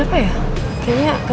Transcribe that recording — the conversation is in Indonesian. atau udah nggak menganggap ngomong